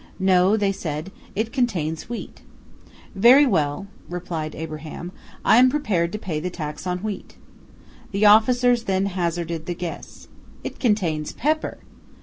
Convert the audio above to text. "No," they said, "it contains wheat." "Very well," replied Abraham, "I am prepared to pay the tax on wheat." The officers then hazarded the guess, "It contains pepper!"